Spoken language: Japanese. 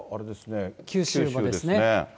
九州もですね。